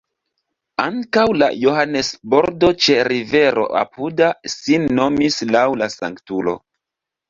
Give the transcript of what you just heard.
Ankaŭ la Johannes-bordo ĉe rivero apuda sin nomis laŭ la sanktulo.